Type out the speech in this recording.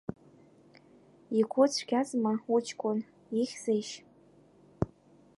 Игәы цәгьазма уҷкәын, ихьзеишь?!